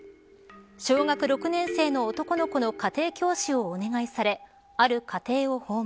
小学６年生の男の子の家庭教師をお願いされある家庭を訪問。